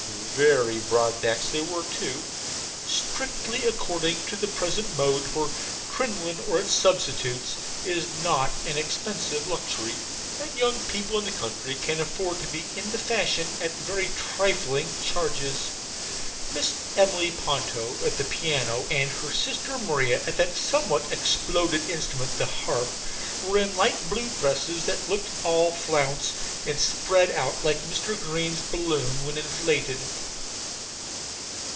Very broad backs they were too, strictly according to the present mode, for crinoline or its substitutes is not an expensive luxury, and young people in the country can afford to be in the fashion at very trifling charges. Miss Emily Ponto at the piano, and her sister Maria at that somewhat exploded instrument, the harp, were in light blue dresses that looked all flounce, and spread out like Mr. Green's balloon when inflated.